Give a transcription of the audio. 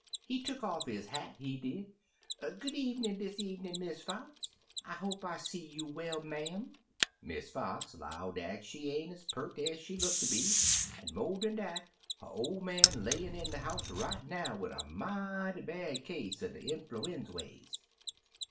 He tuck off his hat, he did, 'Good evenin' dis evenin'. Miss Fox. I hope I see you well, ma'am.' Miss Fox 'low^\ dat she ain't ez peart ez she look ter be, an' mo' dan dat, her ol' man layin' in de house right now wid a mighty bad case er de in fluendways.